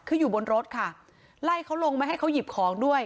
คืออยู่บนรถค่ะไล่เขาลงไม่ให้เขาหยิบของด้วย